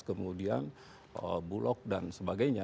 kemudian bulog dan sebagainya